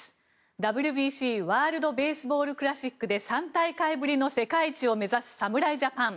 ＷＢＣ・ワールド・ベースボール・クラシックで３大会ぶりの世界一を目指す侍ジャパン。